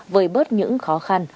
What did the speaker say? với bớt những khó khăn